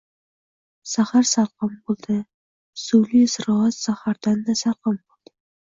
Sahar salqin bo‘ldi. Suvli ziroat sahardan-da salqin bo‘ldi.